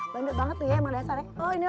banget banget ya manasar oh ini